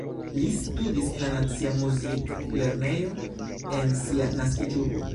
Li studis en la nacia muziklernejo en sia naskiĝurbo.